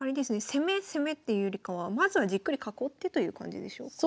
攻め攻めっていうよりかはまずはじっくり囲ってという感じでしょうか？